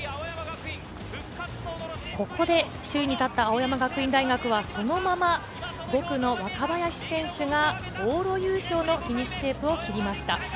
ここで首位に立った青山学院大学はそのまま５区の若林選手が往路優勝のフィニッシュテープを切りました。